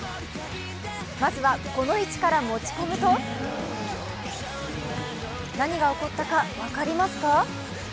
まずはこの位置から持ち込むと何が起こったか分かりますか？